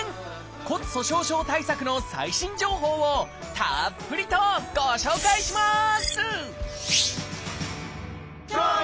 骨粗しょう症対策の最新情報をたっぷりとご紹介します！